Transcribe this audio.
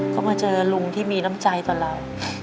ก็มาเจอลุงที่มีน้ำใจต่อเรา